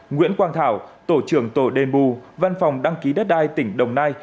nguyễn quang thảo tổ trưởng tổ đền bù văn phòng đăng ký đất đai tỉnh đồng nai